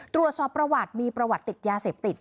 ตรวจสอบประวัติมีประวัติติดยาเสพติด